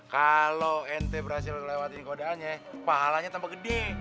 kalau ente berhasil ngelewatin godaannya pahalanya tambah gede